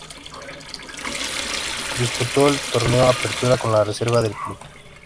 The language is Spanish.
Disputó el Torneo Apertura con la reserva del club.